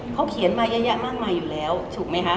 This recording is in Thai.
เขาเขียนมาเยอะแยะมากมายอยู่แล้วถูกไหมคะ